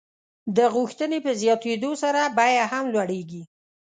د غوښتنې په زیاتېدو سره بیه هم لوړېږي.